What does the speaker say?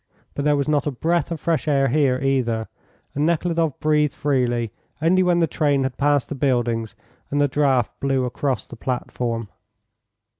But there was not a breath of fresh air here either, and Nekhludoff breathed freely only when the train had passed the buildings and the draught blew across the platform.